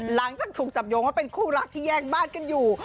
หลังจากถูกจับโยงว่าเป็นคู่รักที่แยกบ้านกันอยู่